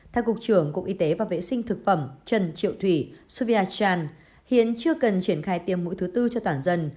thành cục trưởng cục y tế và vệ sinh thực phẩm trần triệu thủy suvia chan hiện chưa cần triển khai tiêm mũi thứ bốn cho toàn dân